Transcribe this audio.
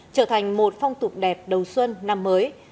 trở thành một phong tục đẹp đầu xuân năm mới